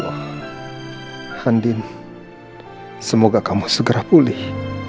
handin semoga kamu segera pulih